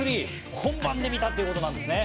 本番で見たということなんですね。